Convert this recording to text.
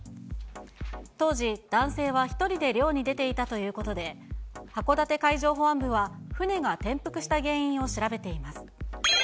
当時、男性は１人で漁に出ていたということで、函館海上保安部は、船が転覆した原因を調べています。